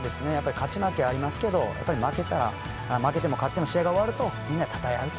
勝ち負けありますが、負けても勝っても試合が終わるとみんなでたたえ合うと。